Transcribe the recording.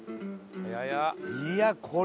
いやこれは。